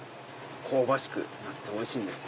香ばしくなっておいしいんです。